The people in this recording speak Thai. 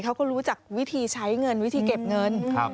เขาก็รู้จักวิธีใช้เงินวิธีเก็บเงิน